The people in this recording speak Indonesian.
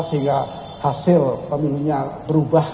sehingga hasil pemilunya berubah